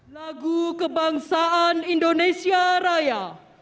lagu kebangsaan indonesia raya